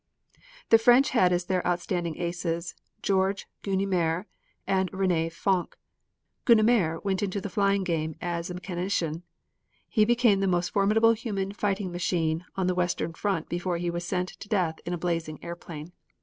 The French had as their outstanding aces Georges Guynemer and Rene Fonck. Guynemer went into the flying game as a mechanician. He became the most formidable human fighting machine on the western front before he was sent to death in a blazing airplane.